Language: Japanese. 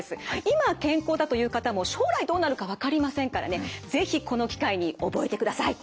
今健康だという方も将来どうなるか分かりませんからね是非この機会に覚えてください！